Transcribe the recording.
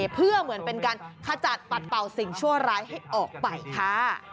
เพื่อเหมือนเป็นการขจัดปัดเป่าสิ่งชั่วร้ายให้ออกไปค่ะ